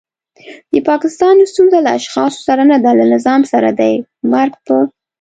د پاکستان ستونزه له اشخاصو سره نده له نظام سره دی. مرګ په